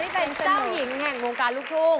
เป็นเจ้าหญิงแห่งวงการลูกทุ่ง